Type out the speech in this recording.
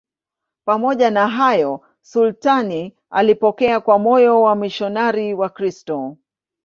Pamoja na hayo, sultani alipokea kwa moyo wamisionari Wakristo.